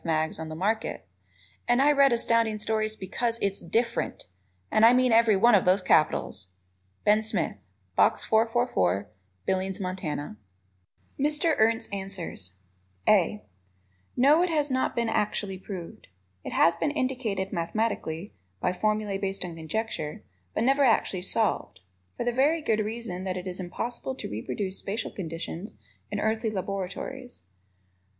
mags on the market, and I read Astounding Stories because it is DIFFERENT, and I mean every one of those capitals! Ben Smith, Box 444, Billings, Mont. Mr. Ernst's Answers: (a) No, it has not been actually proved. It has been indicated mathematically (by formulae based on conjecture), but never actually solved for the very good reason that it is impossible to reproduce spacial conditions in earthly laboratories.